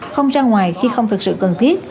không ra ngoài khi không thực sự cần thiết